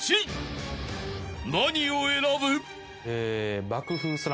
［何を選ぶ？］